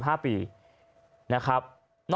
นอกจากนี้ก็ยังรวบรวมหลักฐานออกไหมจับเพิ่มเติมอีก๓คนด้วย